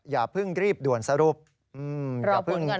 อย่าเพิ่งรีบด่วนสรุป